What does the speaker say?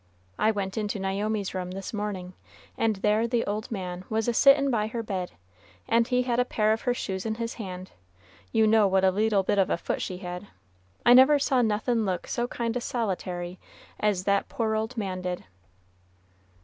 I went into Naomi's room this morning, and there the old man was a sittin' by her bed, and he had a pair of her shoes in his hand, you know what a leetle bit of a foot she had. I never saw nothin' look so kind o' solitary as that poor old man did!"